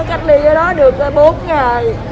cách ly ở đó được bốn ngày